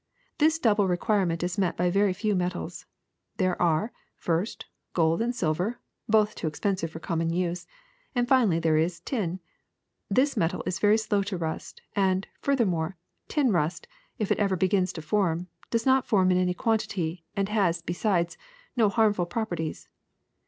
This double requirement is met by very few metals. There are, first, gold and silver, both too expensive for common us'e; and finally there is tin. This metal is very slow to rust, and, further more, tin rust, if it ever begins to form, does not form in any quantity and has, besides, no harmful proper ties.